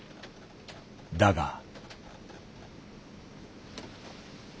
だが。